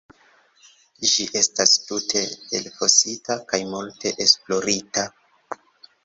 Ĝi estas tute elfosita kaj multe esplorita.